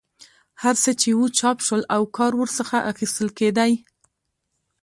هر څه چې وو چاپ شول او کار ورڅخه اخیستل کېدی.